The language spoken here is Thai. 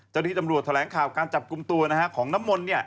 เจ้าที่จำรวจแถวแหลงข่าวการจับกลุ่มตัวของน้ำมน